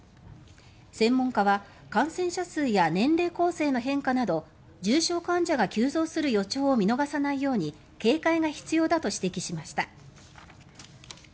専門家は感染者数や年齢構成の変化など重症患者が急増する予兆を見逃さないように警戒が必要だと指摘しました。